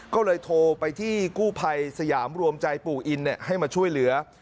ก็เลยโทรไปที่กู้ภัยสยามรวมใจปู่อินให้มาช่วยเหลือ